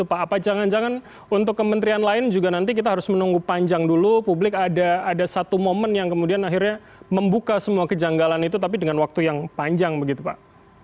apa jangan jangan untuk kementerian lain juga nanti kita harus menunggu panjang dulu publik ada satu momen yang kemudian akhirnya membuka semua kejanggalan itu tapi dengan waktu yang panjang begitu pak